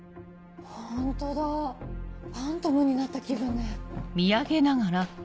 ホントだファントムになった気分ね。